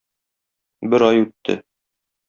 Бер ай үтте.